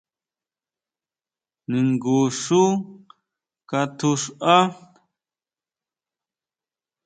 ¿Ningu xu katjuʼxaá?